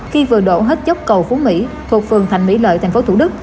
khi vừa đổ hết dốc cầu phú mỹ thuộc phường thành mỹ lợi thành phố thủ đức